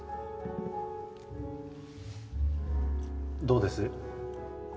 どうです？